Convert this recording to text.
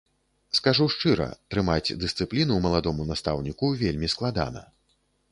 Скажу шчыра, трымаць дысцыпліну маладому настаўніку вельмі складана.